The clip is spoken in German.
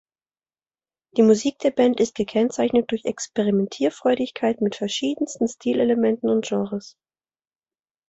Die Musik der Band ist gekennzeichnet durch Experimentierfreudigkeit mit verschiedensten Stilelementen und Genres.